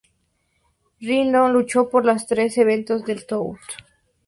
Rhino luchó en los tres eventos del tour.